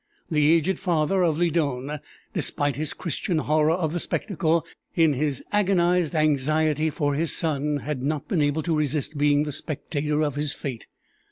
The aged father of Lydon, despite his Christian horror of the spectacle, in his agonized anxiety for his son had not been able to resist being the spectator of his fate.